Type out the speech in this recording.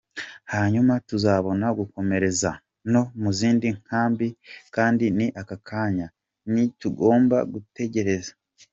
Hanyuma tuzabone gukomereza no mu zindi nkambi kandi ni aka kanya ntitugomba gutegereza.